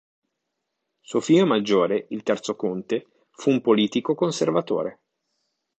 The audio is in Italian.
Suo figlio maggiore, il terzo conte, fu un politico conservatore.